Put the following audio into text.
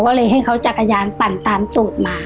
ก็เลยให้เขาจักรยานปั่นตามโจทย์มา